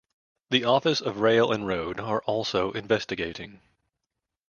The Office of Rail and Road are also investigating.